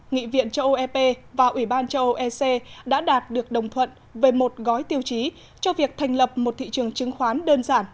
nghị viện châu âu ep và ủy ban châu âu ec đã đạt được đồng thuận về một gói tiêu chí cho việc thành lập một thị trường chứng khoán đơn giản